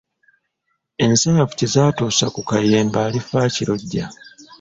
Ensanafu kye zaatuusa ku Kayemba alifa akirojja.